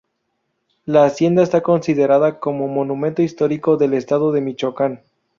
La hacienda está considerada como monumento histórico del estado de Michoacán.